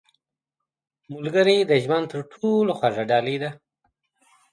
• ملګری د ژوند تر ټولو خوږه ډالۍ ده.